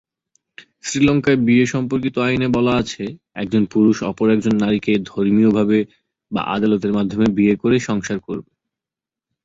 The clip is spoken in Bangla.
শ্রীলঙ্কার বিয়ে সম্পর্কিত আইনে বলা আছে একজন পুরুষ অপর একজন নারীকে ধর্মীয়ভাবে বা আদালতের মাধ্যমে বিয়ে করে সংসার করবে।